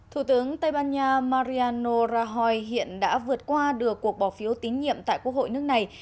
thủ tướng tây ban nha mariano rahoi hiện đã vượt qua được cuộc bỏ phiếu tín nhiệm tại quốc hội nước này